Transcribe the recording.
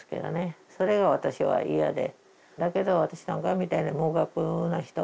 それが私は嫌で。